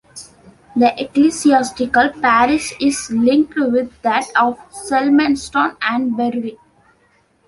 The ecclesiastical parish is linked with that of Selmeston and Berwick.